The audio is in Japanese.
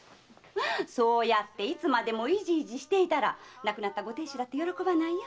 そうやっていつまでもイジイジしていたら亡くなったご亭主だって喜ばないよ。